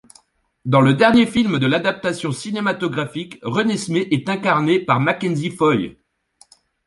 Dans le dernier film de l’adaptation cinématographique, Renesmée est incarnée par Mackenzie Foy.